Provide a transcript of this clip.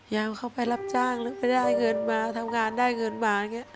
อยากเข้าไปรับจ้างหรือไม่ได้เงินมาทำงานได้เงินมา